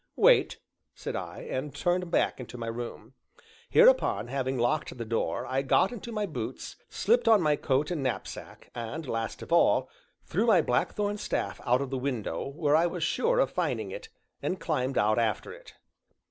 "Wait," said I, and turned back into my room. Hereupon, having locked the door, I got into my boots, slipped on my coat and knapsack, and, last of all, threw my blackthorn staff out of the window (where I was sure of finding it) and climbed out after it.